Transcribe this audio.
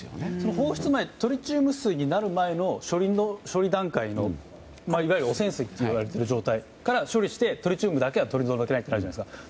放出前トリチウム水になる前の処理段階のいわゆる汚染水といわれている状態から処理して、トリチウムだけは取り除けないじゃないですか。